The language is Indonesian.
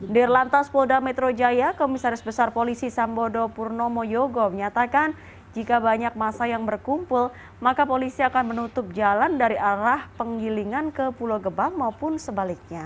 di lantas polda metro jaya komisaris besar polisi sambodo purnomo yogo menyatakan jika banyak masa yang berkumpul maka polisi akan menutup jalan dari arah penggilingan ke pulau gebang maupun sebaliknya